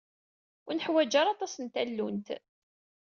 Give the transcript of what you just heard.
Ur neḥwaǧ ara aṭas n tallunt.